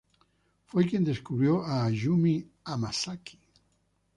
Fue quien descubrió a Ayumi Hamasaki.